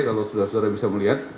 kalau saudara saudara bisa melihat